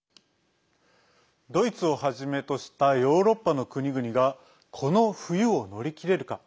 ドイツをはじめとしたヨーロッパの国々がこの冬を乗り切れるか。